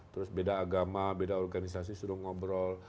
terus beda agama beda organisasi suruh ngobrol